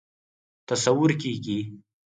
تصور کېږي.